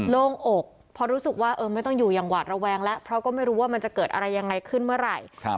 โล่งอกเพราะรู้สึกว่าไม่ต้องอยู่อย่างหวาดระแวงแล้วเพราะก็ไม่รู้ว่ามันจะเกิดอะไรยังไงขึ้นเมื่อไหร่